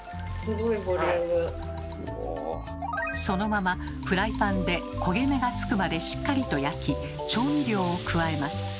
そのままフライパンで焦げ目がつくまでしっかりと焼き調味料を加えます。